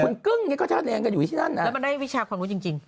คุณกึ้งนี่ก็ท่าแดงกันอยู่ที่นั่นแล้วมันได้วิชาความรู้จริง